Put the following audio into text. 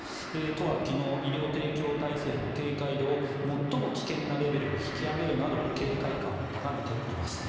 都は昨日医療提供体制の警戒度を最も危険なレベルに引き上げるなど警戒感を高めています。